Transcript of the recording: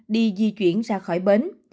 đi di chuyển ra khỏi bến